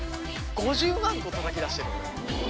５０万個たたき出してる俺。